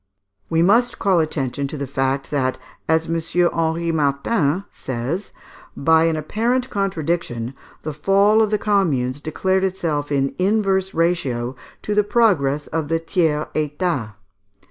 We must call attention to the fact that, as M. Henri Martin says, by an apparent contradiction, the fall of the Communes declared itself in inverse ratio to the progress of the Tiers Etat.